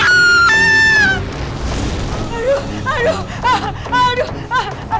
aduh aduh aduh aduh aduh aduh